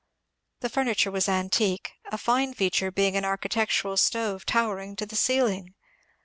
The furniture was antique, a fine feature being an architectural stove tower ing to the ceiling.